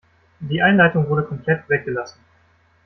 Die Einleitung wurde komplett weggelassen.